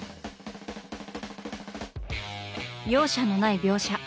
容赦のない描写。